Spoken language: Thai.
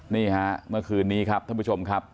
นี่ฮะเมื่อคืนนี้ครับท่านผู้ชมครับ